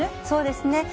そうですね。